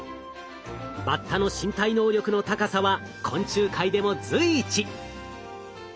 バッタの身体能力の高さは昆虫界でも随一。